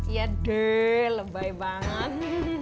iya deh lebay banget